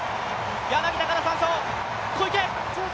柳田からの３走、小池！